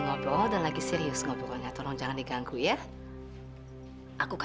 yaudah yubi yuk pulang yuk